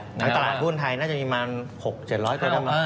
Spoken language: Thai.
อันตลาดคนไทยน่าจะมีมัน๖๗๐๐ตัวได้ไหม